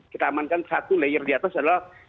kita amankan satu layer di atas adalah